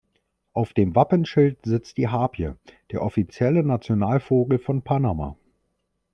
Auf dem Wappenschild sitzt die Harpyie, der offizielle Nationalvogel von Panama.